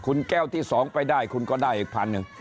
คุณแก้วที่๒ไปได้คุณก็ได้อีกพันหนึ่ง